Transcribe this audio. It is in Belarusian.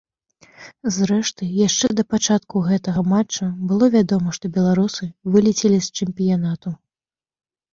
Зрэшты, яшчэ да пачатку гэтага матча было вядома, што беларусы вылецелі з чэмпіянату.